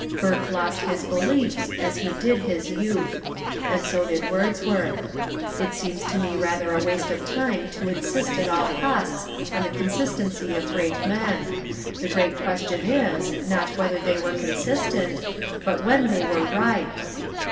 Burke lost his beliefs as he did his youth. And so did Wordsworth. It seems to me rather a waste of time to insist at all costs on the consistency of great men. The great question is, not whether they were consistent, but when they were right.